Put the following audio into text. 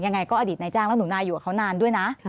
ยังไงก็อดีตนายจ้างแล้วหนูนายอยู่กับเขานานด้วยนะ